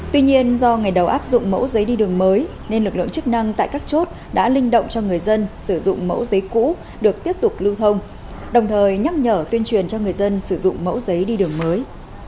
tuy nhiên do ngày đầu áp dụng mẫu giấy đi đường mới nên lực lượng chức năng tại các chốt đã linh động cho người dân sử dụng mẫu giấy cũ được tiếp tục lưu thông đồng thời nhắc nhở tuyên truyền cho người dân sử dụng mẫu giấy đi đường mới